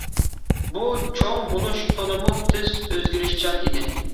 بۇ چوڭ بولۇش تولىمۇ تىز، ئۆزگىرىشچان ئىدى.